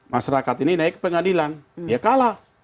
masyarakat ini naik ke pengadilan ya kalah